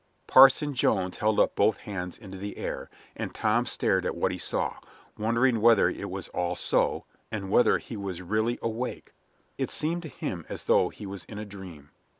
Parson Jones held up both hands into the air, and Tom stared at what he saw, wondering whether it was all so, and whether he was really awake. It seemed to him as though he was in a dream.